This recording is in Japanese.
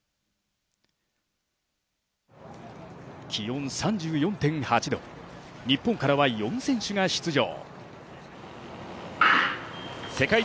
気温３４．８度、日本からは４選手が出場。